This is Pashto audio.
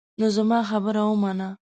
نو زما خبره ومنه.